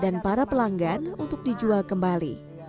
dan para pelanggan untuk dijual kembali